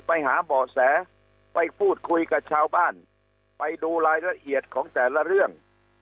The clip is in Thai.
ไปหาเบาะแสไปพูดคุยกับชาวบ้านไปดูรายละเอียดของแต่ละเรื่อง